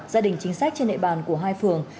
gia đình chính sách trên địa bàn của hai phường